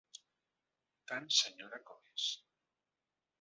Tant senyora com és!